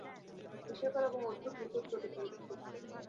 বিস্ময়কর এবং অদ্ভুত নিখুঁত প্রতিকৃতিটি।